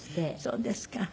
そうですか。